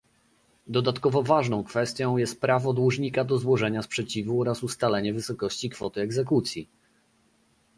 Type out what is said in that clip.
Dodatkowo ważną kwestią jest prawo dłużnika do złożenia sprzeciwu oraz ustalenie wysokości kwoty egzekucji